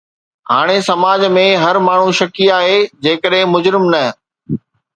هاڻي سماج ۾ هر ماڻهو شڪي آهي جيڪڏهن مجرم نه.